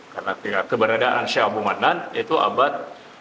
karena keberadaan sheikh abdul manan itu abad